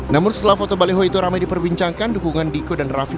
namun setelah foto baliho itu ramai diperbincangkan dukungan diko dan raffi